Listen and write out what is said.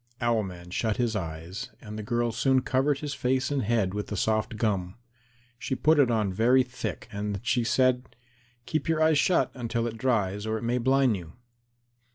Owl man shut his eyes, and the girl soon covered his face and head with the soft gum. She put it on very thick, and she said, "Keep your eyes shut until it dries or it may blind you."